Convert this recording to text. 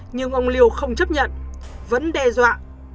nhưng ông liêu không chấp nhận vẫn đe dọa